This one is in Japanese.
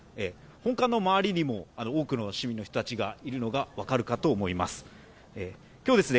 本館の周りにも多くの市民の人たちがいるのが分かるかと思います。